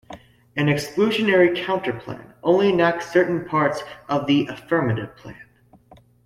An exclusionary counterplan only enacts certain parts of the Affirmative plan.